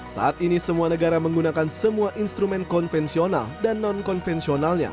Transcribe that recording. saat ini semua negara menggunakan semua instrumen konvensional dan non konvensionalnya